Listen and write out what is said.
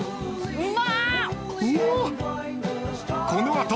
うま！